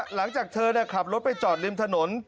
หลังจากเธอขับรถไปจอดริมถนน